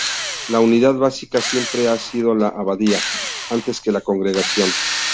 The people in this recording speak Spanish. La unidad básica siempre ha sido la abadía, antes que la congregación.